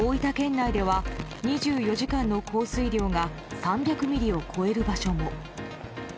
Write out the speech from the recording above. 内では２４時間の降水量が３００ミリを超える場所も。